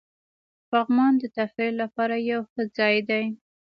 پغمان د تفریح لپاره یو ښه ځای دی.